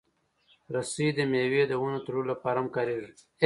رسۍ د مېوې د ونو تړلو لپاره هم کارېږي.